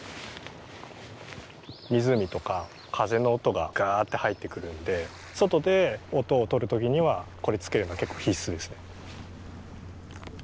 湖とか風の音がガって入ってくるんで外で音をとる時にはこれつけるのは結構必須ですね。